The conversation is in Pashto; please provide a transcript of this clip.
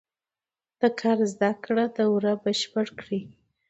د کار زده کړې دوره بشپړه کړي.